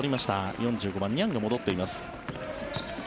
４５番、ニャンが戻っています。